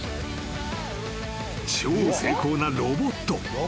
［超精巧なロボット］